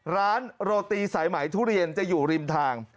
ร้านโรตีสายไหมทุเรียนจะอยู่ริมทาง